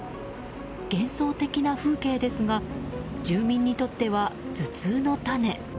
幻想的な風景ですが住民にとっては頭痛の種。